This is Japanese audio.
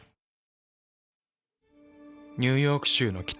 ニューヨーク州の北。